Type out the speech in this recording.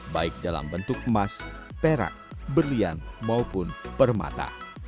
baik dalam bentuk emas perak berlian maupun permata